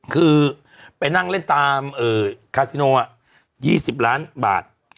คือไปนั่งเล่นตามคาซิโน๒๐ล้านบาท